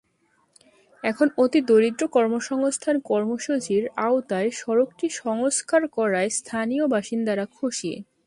এখন অতিদরিদ্র কর্মসংস্থান কর্মসূচির আওতায় সড়কটি সংস্কার করায় স্থানীয় বাসিন্দারা খুশি।